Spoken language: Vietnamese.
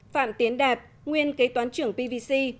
phạm tiến đạp nguyên kế toán trưởng pvc